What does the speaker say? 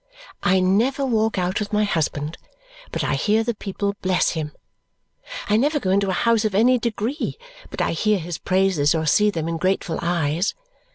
I never walk out with my husband but I hear the people bless him. I never go into a house of any degree but I hear his praises or see them in grateful eyes.